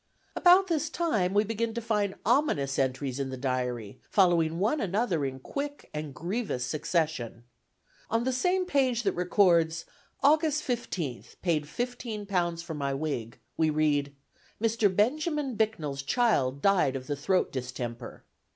About this time, we begin to find ominous entries in the diary, following one another in quick and grievous succession. On the same page that records (August 15th) "P'd £15 for my wig," we read, "Mr. Benjamin Bicknells Child Died of the throat Distemper."